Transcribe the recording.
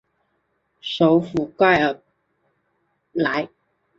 首府盖贝莱。